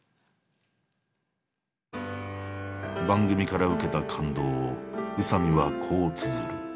番組から受けた感動を宇佐見はこうつづる。